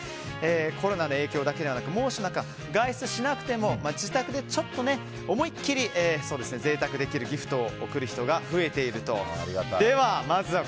コロナの影響だけじゃなく猛暑の中外出しなくても自宅でちょっと思いっきりぜいたくできるギフトを贈る人が増えていると。